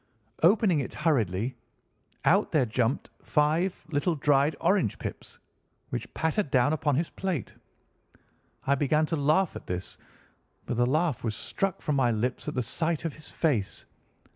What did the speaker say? Opening it hurriedly, out there jumped five little dried orange pips, which pattered down upon his plate. I began to laugh at this, but the laugh was struck from my lips at the sight of his face.